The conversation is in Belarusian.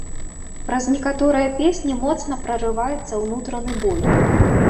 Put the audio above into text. Праз некаторыя песні моцна прарываецца ўнутраны боль.